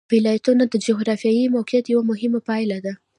ولایتونه د جغرافیایي موقیعت یوه مهمه پایله ده.